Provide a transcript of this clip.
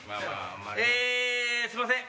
えすいません。